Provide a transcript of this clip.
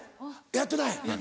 やってない？